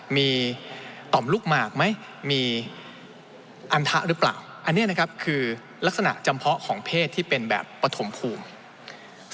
มีต่อมลูกหมากไหมมีอันทะหรือเปล่าอันนี้นะครับคือลักษณะจำเพาะของเพศที่เป็นแบบปฐมภูมิ